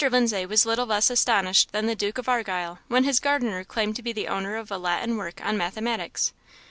Lindsay was little less astonished than the Duke of Argyle, when his gardener claimed to be the owner of a Latin work on mathematics.